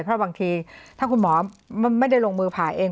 เพราะบางทีถ้าคุณหมอไม่ได้ลงมือผ่าเอง